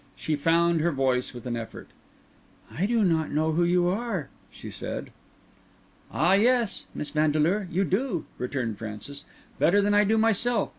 She found her voice with an effort. "I do not know who you are," she said. "Ah, yes! Miss Vandeleur, you do," returned Francis "better than I do myself.